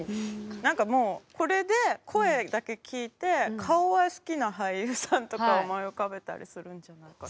何かもうこれで声だけ聞いて顔は好きな俳優さんとか思い浮かべたりするんじゃないかって。